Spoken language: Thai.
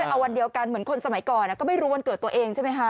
แต่เอาวันเดียวกันเหมือนคนสมัยก่อนก็ไม่รู้วันเกิดตัวเองใช่ไหมคะ